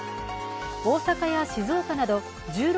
大阪や静岡など１６